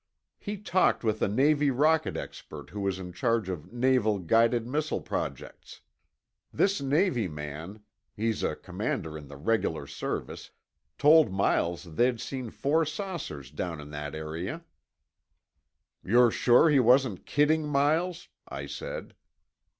He talked with a Navy rocket expert who was in charge of naval guided missile projects. This Navy man—he's a commander in the regular service—told Miles they'd seen four saucers down in that area." "You're sure he wasn't kidding Miles?" I said.